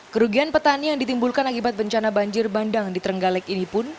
kerugian petani yang ditimbulkan akibat bencana banjir bandang di trenggalek ini pun